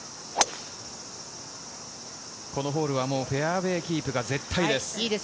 このホールはもうフェアウエーキープが絶対です。